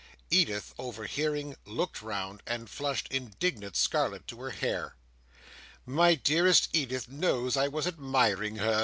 Edith, overhearing, looked round, and flushed indignant scarlet to her hair. "My dearest Edith knows I was admiring her!"